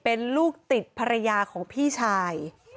เป็นลูกติดภรรยาของพี่ชาย